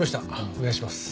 お願いします。